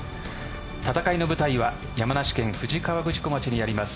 戦いの舞台は山梨県富士河口湖町にあります